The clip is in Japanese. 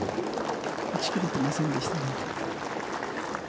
打ち切れてませんでしたね。